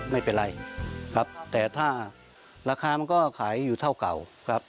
ไม่เป็นไรครับแต่ถ้าราคามันก็ขายอยู่เท่าเก่าครับ